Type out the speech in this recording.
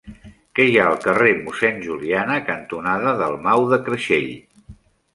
Què hi ha al carrer Mossèn Juliana cantonada Dalmau de Creixell?